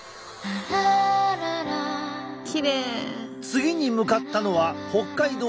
次に向かったのは北海道